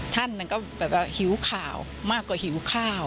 ท่านก็แบบว่าหิวข่าวมากกว่าหิวข้าว